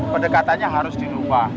pendekatannya harus dilupa